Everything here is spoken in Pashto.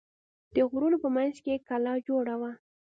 د غرونو په منځ کې کلا جوړه وه.